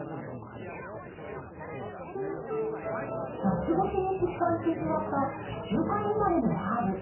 夏越しに失敗してしまった地中海生まれのハーブ。